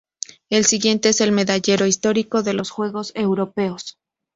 El siguiente es el medallero histórico de los Juegos Europeos.